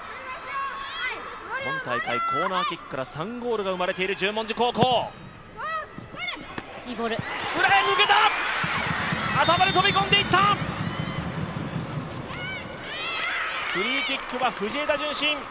今大会コーナーキックから３ゴールが生まれている十文字高校フリーキックは藤枝順心。